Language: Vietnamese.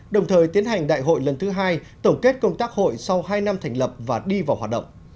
đồng thời tiến hành đại hội lần thứ hai tổng kết công tác hội sau hai năm thành lập và đi vào hoạt động